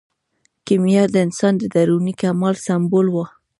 کیمیا د انسان د دروني کمال سمبول و.